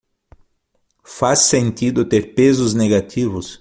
Faz sentido ter pesos negativos?